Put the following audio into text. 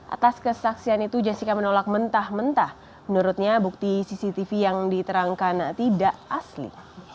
atas kesaksian itu jessica menolak mentah mentah menurutnya bukti cctv yang diterangkan tidak asli